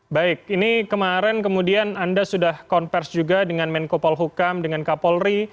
baik ini kemarin kemudian anda sudah konversi juga dengan menko polhukam dengan kapolri